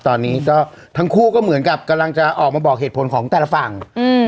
ตอนนี้ก็ทั้งคู่ก็เหมือนกับกำลังจะออกมาบอกเหตุผลของแต่ละฝั่งอืม